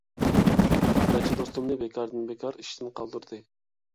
نەچچە دوستۇمنى بىكاردىن-بىكار ئىشتىن قالدۇردى.